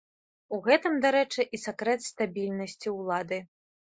У гэтым, дарэчы, і сакрэт стабільнасці ўлады.